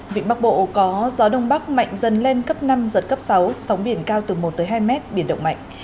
vịnh bắc bộ có gió đông bắc mạnh dần lên cấp năm giật cấp sáu sóng biển cao từ một hai m biển động mạnh